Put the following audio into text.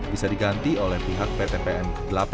bisa diganti oleh pihak pt pn delapan